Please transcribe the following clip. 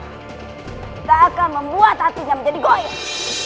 kita akan membuat hatinya menjadi goyang